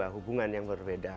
hubungan yang berbeda